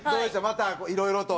またいろいろと。